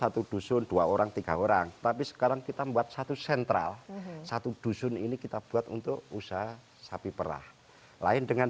tapi sekarang kita buat satu sentral satu dusun ini kita buat untuk usaha sapi perah lain dengan